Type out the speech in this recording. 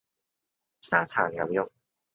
沙茶牛肉